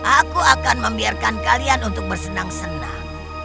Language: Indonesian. aku akan membiarkan kalian untuk bersenang senang